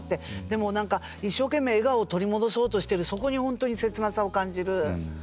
でもなんか一生懸命笑顔を取り戻そうとしているそこにホントに切なさを感じる。